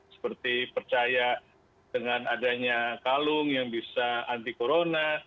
seperti percaya dengan adanya kalung yang bisa anti corona